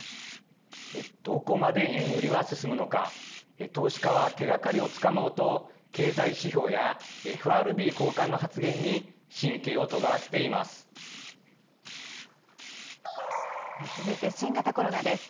どこまで円売りは進むのか、投資家は手がかりをつかもうと、経済指標やＦＲＢ高官の発言に神経をとがらせています。